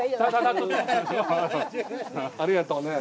ありがとうね。